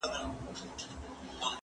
هغه څوک چي لاس مينځي روغ وي؟!